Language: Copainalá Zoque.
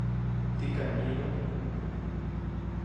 ¿tikam myidu?